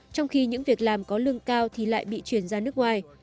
trong khi những việc làm có lương cao thì lại bị chuyển ra nước ngoài